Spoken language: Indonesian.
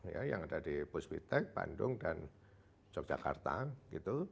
ya yang ada di puspitek bandung dan yogyakarta gitu